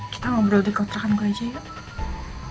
kita ngobrol di kotakan gue aja ya